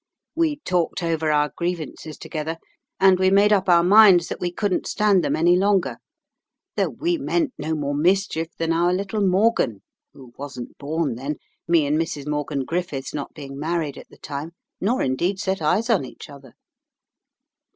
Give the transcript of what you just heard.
We talked over our grievances together, and we made up our minds that we couldn't stand them any longer, though we meant no more mischief than our little Morgan who wasn't born then, me and Mrs. Morgan Griffiths not being married at the time, nor indeed set eyes on each other.